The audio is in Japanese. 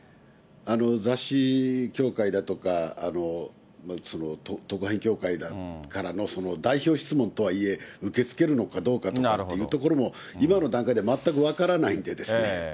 雑誌協会だとか、特派員協会からの代表質問とはいえ、受け付けるのかどうかというところも、今の段階では全く分からないんでですね。